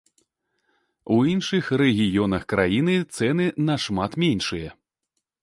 У іншых рэгіёнах краіны цэны нашмат меншыя.